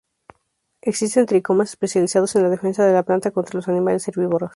Existen tricomas especializados en la defensa de la planta contra los animales herbívoros.